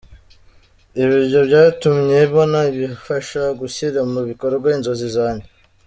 Ibyo byatumye mbona ibimfasha gushyira mu bikorwa inzozi zanjye.